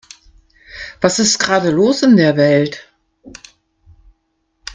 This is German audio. Was ist gerade los in der Welt?